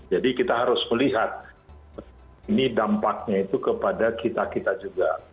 jadi kita harus melihat ini dampaknya itu kepada kita kita juga